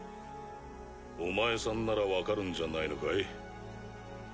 お前さんなら分かるんじゃないのかい？